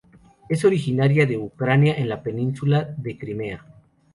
Es originaria de Ucrania en la Península de Crimea.